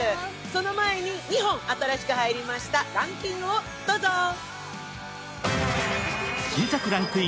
その前に２本新しく入りましたランキングをどうぞ。